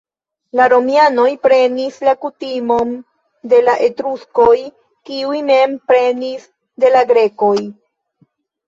La romianoj prenis la kutimon de la etruskoj, kiuj mem prenis de la grekoj.